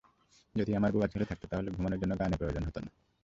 যদি আমার বউ আর ছেলে থাকতো, তাহলে ঘুমানোর জন্য গানের প্রয়োজন হতো না।